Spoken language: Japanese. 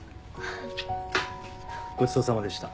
ごちそうさまでした。